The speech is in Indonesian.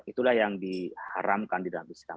itulah yang diharamkan di dalam biskam